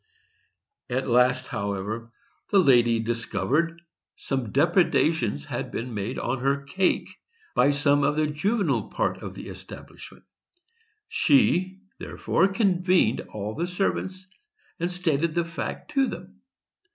At last, however, the lady discovered that some depredations had been made on her cake by some of the juvenile part of the establishment; she, therefore, convened all the servants and stated the fact to them.